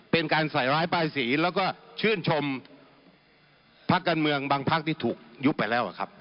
เป็นการใส่ร้ายป้ายสีแล้วก็ชื่นชมพักการเมืองบางพักที่ถูกยุบไปแล้วครับ